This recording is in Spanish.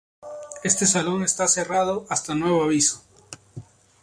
Este salón está cerrado hasta nuevo aviso.